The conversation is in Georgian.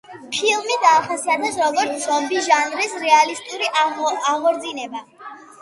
ფილმი დაახასიათეს როგორც ზომბი ჟანრის რეალისტური აღორძინება.